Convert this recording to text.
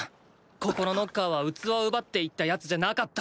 ここのノッカーは器を奪っていった奴じゃなかった！